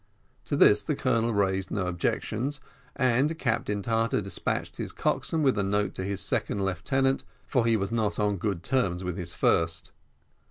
To this the colonel raised no objections, and Captain Tartar despatched his coxswain with a note to his second lieutenant, for he was not on good terms with his first.